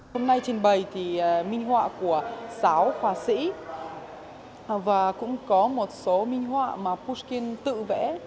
hôm nay trình bày thì minh họa của sáu họa sĩ và cũng có một số minh họa mà pushkin tự vẽ